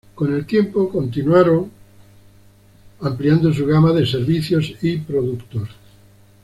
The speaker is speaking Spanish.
Con el tiempo, continuaron ampliando su gama de servicios y productos.